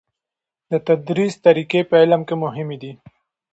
د تدریس طریقی په علم کې مهمې دي.